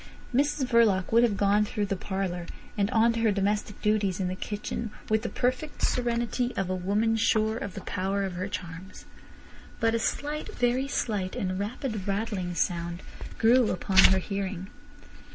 Mrs Verloc would have gone through the parlour and on to her domestic duties in the kitchen with the perfect serenity of a woman sure of the power of her charms. But a slight, very slight, and rapid rattling sound grew upon her hearing.